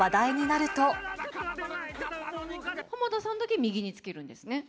浜田さんだけ右につけるんですね。